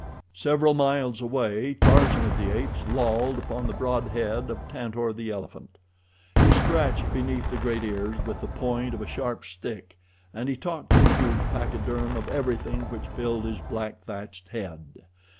Several miles away Tarzan of the Apes lolled upon the broad head of Tantor, the elephant. He scratched beneath the great ears with the point of a sharp stick, and he talked to the huge pachyderm of everything which filled his black thatched head.